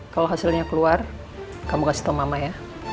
kalau hasilnya keluar kamu kasih tom mama ya